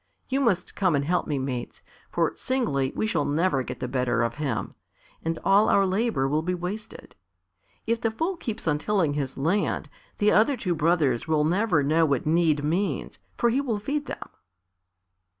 You must come and help me, mates, for singly we shall never get the better of him, and all our labour will be wasted. If the fool keeps on tilling his land, the other two brothers will never know what need means, for he will feed them."